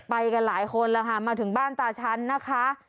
ไปกันหลายคนแล้วค่ะมาถึงบ้านตาชั้นนะคะ